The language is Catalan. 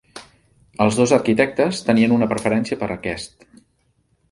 Els dos arquitectes tenien una preferència per a aquest.